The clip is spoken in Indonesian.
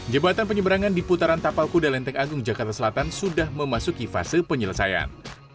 jembatan penyeberangan di putaran tapal kuda lenteng agung jakarta selatan sudah memasuki fase penyelesaian